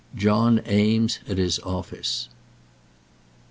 JOHN EAMES AT HIS OFFICE.